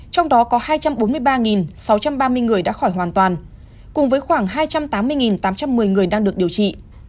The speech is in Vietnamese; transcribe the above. trong đó có hai trăm bốn mươi ba sáu trăm ba mươi người đã khỏi hoàn toàn cùng với khoảng hai trăm tám mươi tám trăm một mươi người đang được điều trị